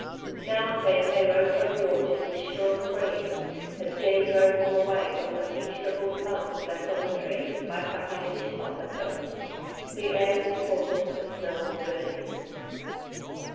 Now and then they rose from the orchard with shrill screams, as Jenny drove them away from the few shrivelled plums left on the trees by flapping a dish cloth at them. The air was full of the smell of burning.